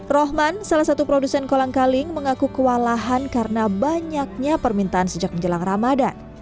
rohman salah satu produsen kolang kaling mengaku kewalahan karena banyaknya permintaan sejak menjelang ramadan